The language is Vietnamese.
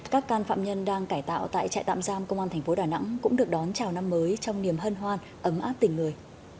các can phạm nhân đang cải tạo tại trại tạm giam công an thành phố đà nẵng cũng được đón chào năm mới trong niềm hân hoan ấm áp tình người